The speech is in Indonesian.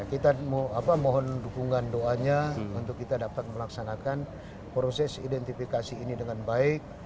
kita mohon dukungan doanya untuk kita dapat melaksanakan proses identifikasi ini dengan baik